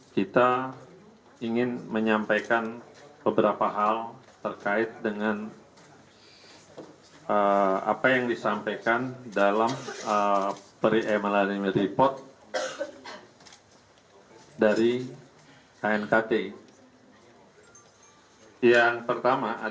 kita ingin menyampaikan beberapa hal terkait dengan apa yang disampaikan dalam pre mln report dari knkt